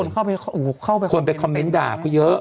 คนเข้าไปคอมเม้นต์ด่าเขาเยอะ